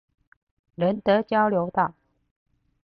仁德交流道